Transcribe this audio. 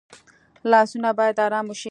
لاسونه باید آرام وشي